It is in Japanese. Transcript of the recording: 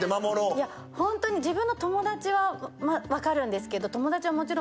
いやホントに自分の友達は分かるんですけど。